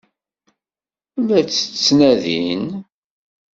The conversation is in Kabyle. La tt-ttnadin?